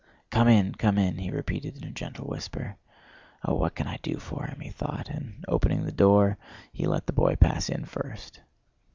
"Come in, come in!" he repeated in a gentle whisper. "Oh, what can I do for him?" he thought, and opening the door he let the boy pass in first.